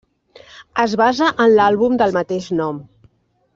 Es basa en l'àlbum del mateix nom.